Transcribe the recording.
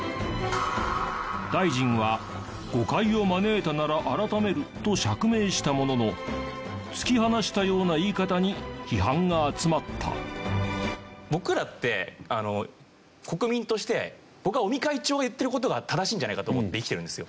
大臣は誤解を招いたなら改めると釈明したものの僕らって国民として僕は尾身会長が言ってる事が正しいんじゃないかと思って生きてるんですよ。